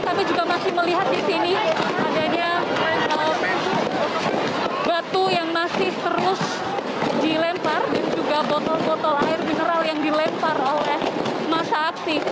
kami juga masih melihat di sini adanya batu yang masih terus dilempar dan juga botol botol air mineral yang dilempar oleh masa aksi